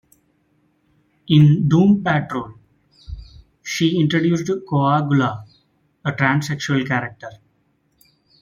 In "Doom Patrol" she introduced Coagula, a transsexual character.